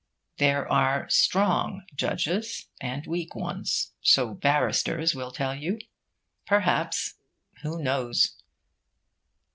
There are 'strong' judges and weak ones (so barristers will tell you). Perhaps who knows?